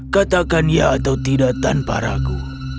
katakan ya atau tidak tanpa ragu